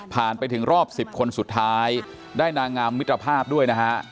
ไปถึงรอบ๑๐คนสุดท้ายได้นางงามมิตรภาพด้วยนะฮะ